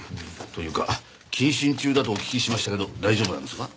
というか謹慎中だとお聞きしましたけど大丈夫なんですか？